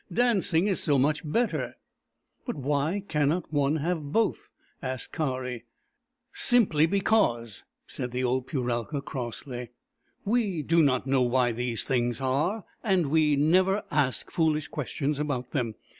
Dancing is much better," " But why cannot one have both ?" asked Kari. " Simply because, " said the old Puralka crossly. " We do not know why these things are, and we never ask foolish questions about them.